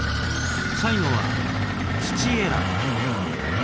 最後は土選び。